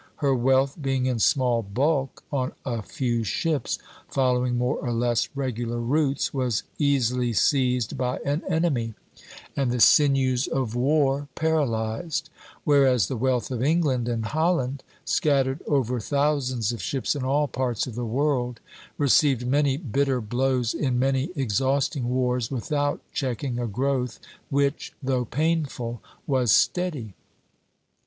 Her wealth being in small bulk on a few ships, following more or less regular routes, was easily seized by an enemy, and the sinews of war paralyzed; whereas the wealth of England and Holland, scattered over thousands of ships in all parts of the world, received many bitter blows in many exhausting wars, without checking a growth which, though painful, was steady.